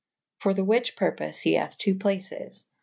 For Me whiche purpofe he hathe two places.